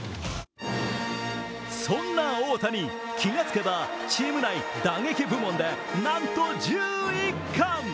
そんな大谷、気がつければチーム内打撃部門でなんと１１冠。